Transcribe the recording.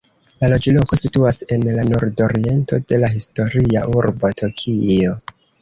La loĝloko situas en la nordoriento de la historia urbo Tokio.